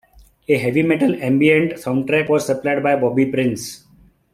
A heavy metal-ambient soundtrack was supplied by Bobby Prince.